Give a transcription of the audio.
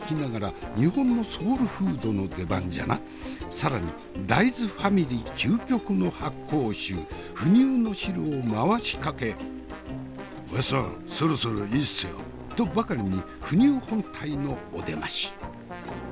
更に大豆ファミリー究極の発酵臭腐乳の汁を回しかけ「おやっさんそろそろいいっすよ！」とばかりに腐乳本体のお出まし。